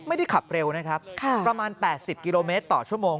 ไม่ได้ขับเร็วนะครับประมาณ๘๐กิโลเมตรต่อชั่วโมง